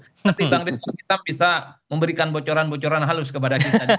tapi bang desa kitam bisa memberikan bocoran bocoran halus kepada kita